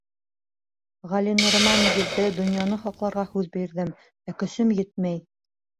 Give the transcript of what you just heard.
Ғәлинурыма нигеҙҙе, донъяны һаҡларға һүҙ бирҙем, ә көсөм етмәй.